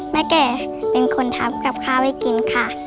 แก่เป็นคนทำกับข้าวให้กินค่ะ